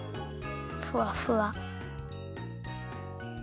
ふわふわ。